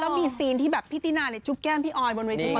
แล้วมีซีนที่พี่ตินาจุบแก้มพี่ออยบนเวทมือเกิด